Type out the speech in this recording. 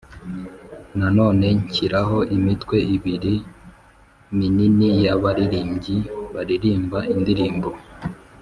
Nanone nshyiraho imitwe ibiri minini y abaririmbyi baririmba indirimbo